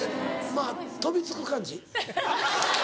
まぁ飛びつく感じ。